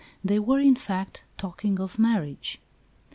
They were, in fact, talking of marriage.